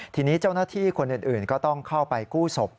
ทีนี้เจ้าหน้าที่คนอื่นก็ต้องเข้าไปกู้ศพ